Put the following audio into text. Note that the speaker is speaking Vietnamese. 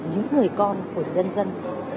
những người con của nhân dân